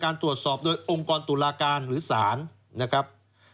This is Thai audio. ตรวจสอบโดยองค์กรตุลาการหรือศาลนะครับ